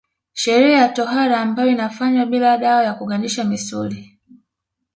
Sherehe ya tohara ambayo inafanywa bila dawa ya kugandisha misuli